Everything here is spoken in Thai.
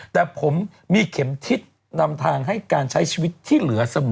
แต่ผมมีเข็มทิศนำทางให้การใช้ชีวิตที่เหลือเสมอ